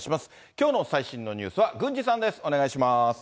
きょうの最新のニュースは郡司さんです。